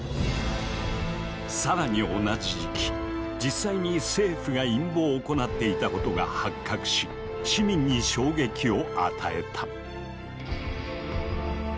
更に同じ時期実際に政府が陰謀を行っていたことが発覚し市民に衝撃を与えた。